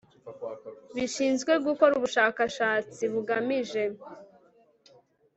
bishinzwe gukora ubushakashatsi bugamije